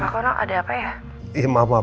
gak apa apa no ada apa ya